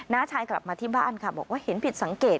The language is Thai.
้าชายกลับมาที่บ้านค่ะบอกว่าเห็นผิดสังเกต